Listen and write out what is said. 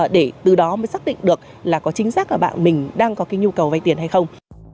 để từ đó mới xác định được là có chính xác là bạn mình đang có cái nhu cầu vay tiền hay không